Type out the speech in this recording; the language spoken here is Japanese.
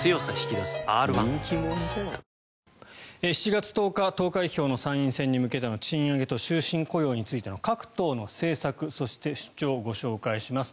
７月１０日投開票の参議院選挙に向けての賃上げと終身雇用についての各党の政策そして主張をご紹介します。